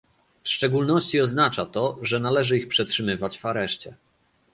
W szczególności oznacza to, że należy ich przetrzymywać w areszcie